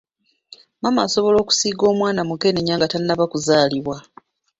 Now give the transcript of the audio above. Maama asobola okusiiga omwana mukenenya nga tannaba kuzaalibwa.